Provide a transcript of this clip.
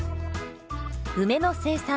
梅の生産